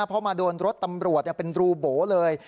เพราะมาโดนรถตำรวจเป็นรูโบ๋เลย